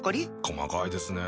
細かいですね。